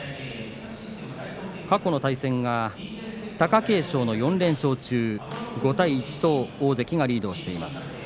過去の対戦が、貴景勝の４連勝中５対１と大関がリードしています。